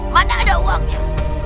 mana ada uangnya